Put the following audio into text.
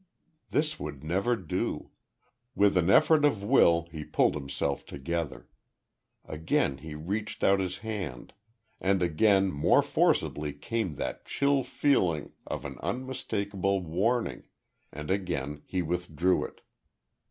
This would never do. With an effort of will he pulled himself together. Again he reached out his hand and again more forcibly came that chill feeling of an unmistakable warning, and again he withdrew it.